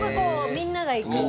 みんなが行く店？